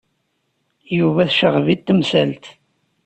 Yuba tecɣeb-it temsalt.